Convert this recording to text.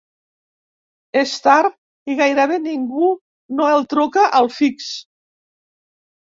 És tard i gairebé ningú no el truca al fix.